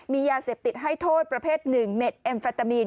มียาเสพติดให้โทษประเภท๑เม็ดเอ็มแฟตามีน